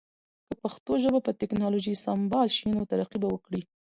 که پښتو ژبه په ټکنالوژی سمبال شی نو ترقی به وکړی